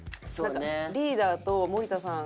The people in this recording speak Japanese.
リーダーと森田さん